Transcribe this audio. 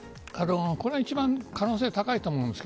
これが一番可能性高いと思うんです。